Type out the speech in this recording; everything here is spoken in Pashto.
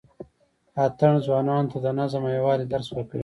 اتڼ ځوانانو ته د نظم او یووالي درس ورکوي.